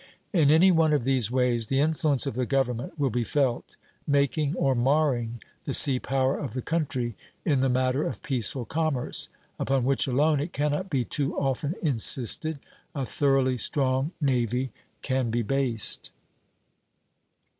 In any one of these ways the influence of the government will be felt, making or marring the sea power of the country in the matter of peaceful commerce; upon which alone, it cannot be too often insisted, a thoroughly strong navy can be based.